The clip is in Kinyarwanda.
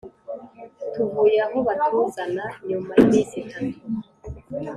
tuvuye aho batuzana nyuma y’iminsi itanu